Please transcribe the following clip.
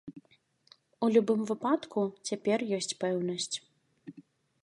У любым выпадку, цяпер ёсць пэўнасць.